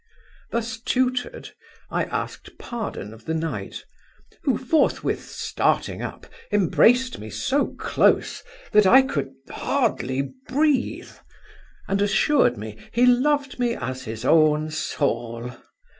Thus tutored, I asked pardon of the knight, who, forthwith starting up, embraced me so close, that I could hardly breathe; and assured me, he loved me as his own soul.